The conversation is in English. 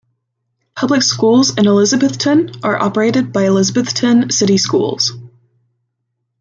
Public Schools in Elizabethton are operated by Elizabethton City Schools.